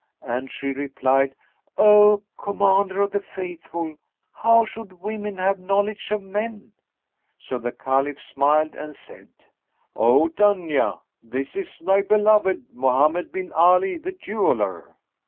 and she replied, "O Commander of the Faithful, how should women have knowledge of men?"[FN#210] So the Caliph smiled and said, "O Dunya this is thy beloved, Mohammed bin Ali the Jeweller.